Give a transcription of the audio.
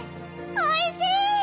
おいしい！